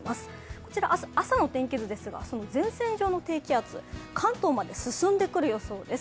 こちらは朝の天気図ですが、その前線上の低気圧、関東まで進んでくる予想です。